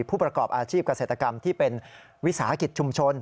ผู้ประกอบอาชีพเกษตรกรรมที่เป็นวิสาหกิจชุมชน